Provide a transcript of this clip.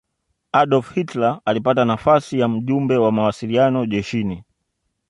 adolf hitler alipata nafasi ya mjumbe wa mawasiliano jeshini